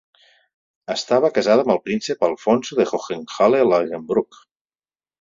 Estava casada amb el príncep Alfonso de Hohenlohe-Langenburg.